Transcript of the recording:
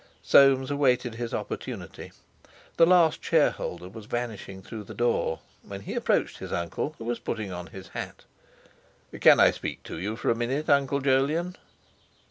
Soames awaited his opportunity. The last shareholder was vanishing through the door, when he approached his uncle, who was putting on his hat. "Can I speak to you for a minute, Uncle Jolyon?"